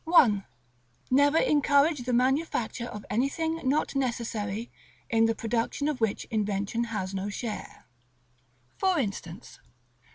1. Never encourage the manufacture of anything not necessary, in the production of which invention has no share. For instance.